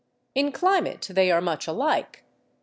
In climate they are much alike.